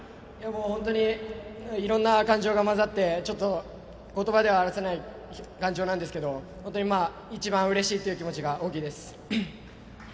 本当にいろんな感情が混ざってちょっと言葉では表せない感情なんですが一番うれしいっていう気持ちが大きいです。